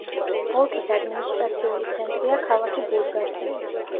ოლქის ადმინისტრაციული ცენტრია ქალაქი ბურგასი.